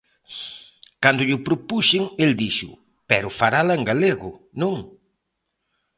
Cando llo propuxen, el dixo: pero farala en galego, non?